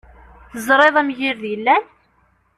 Teẓriḍ amgirred yellan?